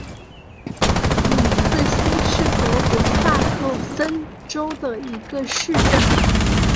里茨兴是德国萨克森州的一个市镇。